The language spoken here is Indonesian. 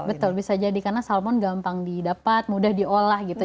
betul bisa jadi karena salmon gampang didapat mudah diolah gitu